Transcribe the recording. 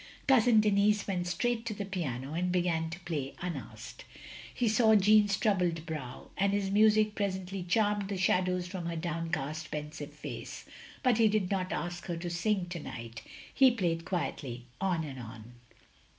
Cousin Denis went straight to the piano, and began to play, unasked. He saw Jeanne's troubled brow, and his music presently charmed the shadows from her down cast, pensive face; but he did not ask her to sing to night; he played quietly on and on.